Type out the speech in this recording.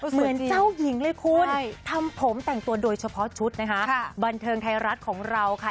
เหมือนเจ้าหญิงเลยคุณทำผมแต่งตัวโดยเฉพาะชุดนะคะบันเทิงไทยรัฐของเราค่ะ